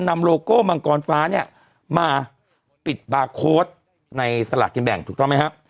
นำโลโก้มังกรฟ้าเนี่ยมาปิดปาร์โค้ดในสลากกินแบ่งถูกต้อง